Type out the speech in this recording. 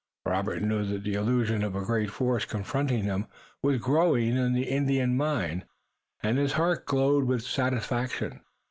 Robert knew that the illusion of a great force confronting them was growing in the Indian mind, and his heart glowed with satisfaction.